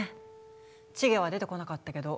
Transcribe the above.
チゲは出てこなかったけど。